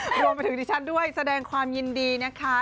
รวมไปถึงดิฉันด้วยแสดงความยินดีนะคะ